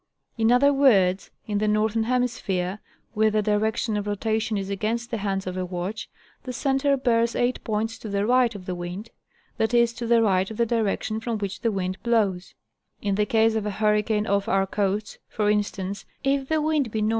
In other words, in the Northern Hemisphere (where the direction of rotation is against the hands of a watch) the center bears eight points to the right of the wind (that is, to the right of the direction from which the wind blows) ; in the case of a hurricane off our coast, for instance, if the wind be NE.